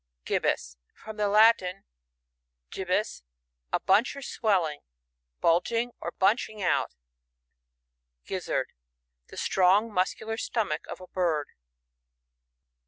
Gibbous. — From the Latin, gihhus^ a bunch or swelling. Bulging or bunching out Gizzard. — The strong muscular stomach of a bird.